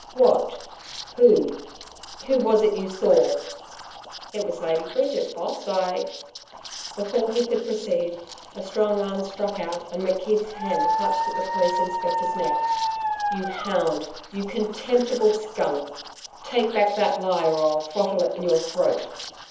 'What Who Who was it you saw ?' 'It was the Lady Bridget, Boss.... I ' Before he could proceed, a strong arm struck out and McKeith's hand clutched at the Police Inspector's neck. 'You hound! You contemptible skunk! Take back that lie, or I'll throttle it in your throat.'